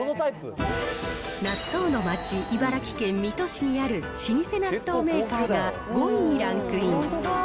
納豆の町、茨城県水戸市にある老舗納豆メーカーが５位にランクイン。